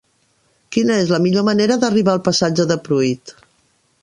Quina és la millor manera d'arribar al passatge de Pruit?